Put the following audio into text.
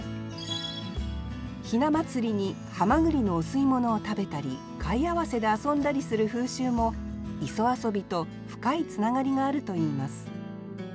ひな祭りにはまぐりのお吸い物を食べたり貝合わせで遊んだりする風習も「磯遊」と深いつながりがあるといいます